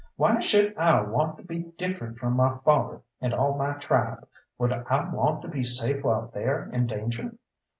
Why should I want to be different from my father, and all my tribe? Would I want to be safe while they're in danger?